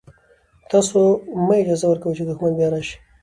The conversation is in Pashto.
تاسو مه اجازه ورکوئ چې دښمن بیا راشي.